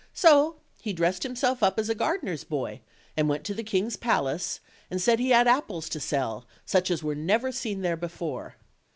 So he dressed himself up as a gar dener's boy, and went to the king's palace, and said he had apples to sell, such as were never seen there before.